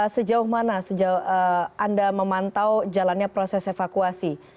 sejauh mana sejauh anda memantau jalannya proses evakuasi